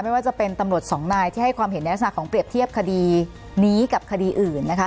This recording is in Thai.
ไม่ว่าจะเป็นตำรวจสองนายที่ให้ความเห็นในลักษณะของเปรียบเทียบคดีนี้กับคดีอื่นนะคะ